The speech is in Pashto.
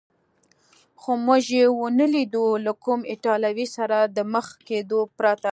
خو موږ یې و نه لیدو، له کوم ایټالوي سره د مخ کېدو پرته.